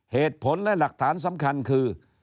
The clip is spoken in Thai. เหตุผลและหลักฐานสำคัญคือ